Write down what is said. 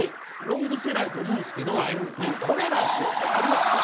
ロングセラーやと思うんですけどこれなんですよ。ありました？